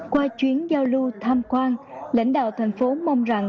qua chuyến giao lưu tham quan lãnh đạo thành phố mong rằng